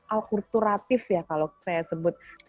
alkurturatif ya kalau saya sebut